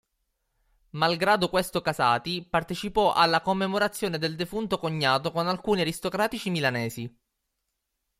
Malgrado questo Casati partecipò alla commemorazione del defunto cognato con alcuni aristocratici milanesi.